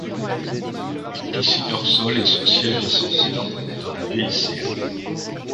Une piscine hors sol et son siège ascenseur dans la vieille serre.